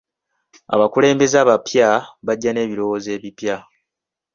Abakulembeze abapya bajja n'ebirowoozo ebipya.